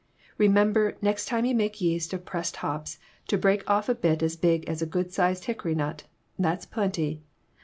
Remember, next time you make yeast of pressed hops, to break off a bit as big as a good sized hickory nut; that's plenty.